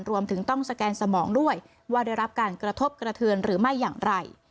รวมถึงต้องสแกนสมองด้วยว่าได้รับการกระทบกระเทือนหรือไม่อย่างไร